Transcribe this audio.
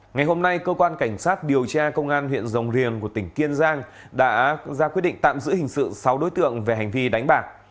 ngày hôm nay cơ quan cảnh sát điều tra công an huyện rồng riềng của tỉnh kiên giang đã ra quyết định tạm giữ hình sự sáu đối tượng về hành vi đánh bạc